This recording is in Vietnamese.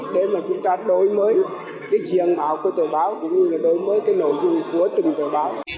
để mà chúng ta đổi mới cái truyền báo của tờ báo cũng như là đổi mới cái nội dung của từng tờ báo